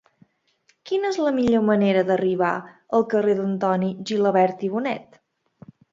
Quina és la millor manera d'arribar al carrer d'Antoni Gilabert i Bonet?